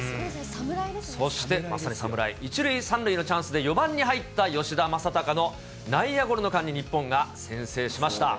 そしてまさに侍、１塁、３塁の場面で４番に入った吉田正尚の内野ゴロの間に日本が先制しました。